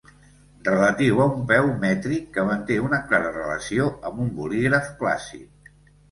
Relatiu a un peu mètric que manté una clara relació amb un bolígraf clàssic.